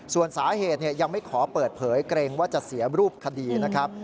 ส่วนสาเหตุยังไม่ขอเปิดเผยเกรงว่าจะเสียรูปคดีนะครับ